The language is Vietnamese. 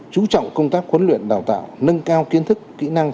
chú trọng công tác huấn luyện đào tạo nâng cao kiến thức kỹ năng